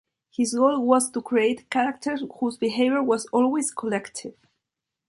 His goal was to create characters whose behavior was always collective.